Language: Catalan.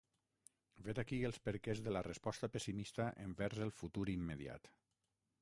Vet aquí els perquès de la resposta pessimista envers el futur immediat.